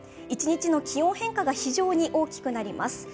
一日の気温変化が非常に大きくなります。